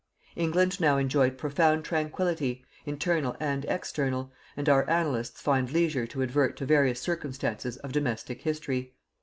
England now enjoyed profound tranquillity, internal and external, and our annalists find leisure to advert to various circumstances of domestic history.